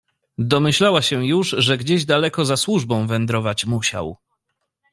"Domyślała się już, że gdzieś daleko za służbą wędrować musiał."